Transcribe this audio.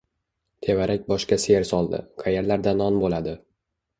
Tevarak-boshga ser soldi: qaerlarda non bo‘ladi?